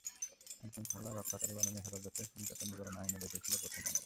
আইনশৃঙ্খলা রক্ষাকারী বাহিনীর হেফাজতে নির্যাতন নিবারণ আইনে এটিই ছিল প্রথম মামলা।